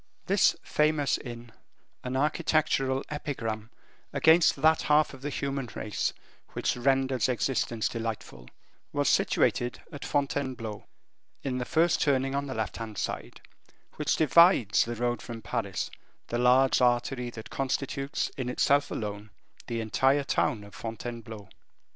This famous inn, an architectural epigram against that half of the human race which renders existence delightful, was situated at Fontainebleau, in the first turning on the left hand side, which divides the road from Paris, the large artery that constitutes in itself alone the entire town of Fontainebleau.